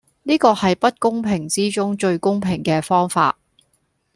呢個係不公平之中最公平既方法